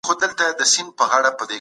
د تاریخي پېښو په اړه معلومات ترلاسه کړئ.